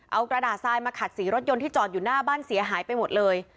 เอากระดาษทรายมาขัดสีรถยนต์ที่จอดอยู่หน้าบ้านเสียหายไปหมดเลย